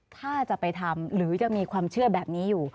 ถ้าจะไปทำหรือยังมีความเชื่อแบบนี้อยู่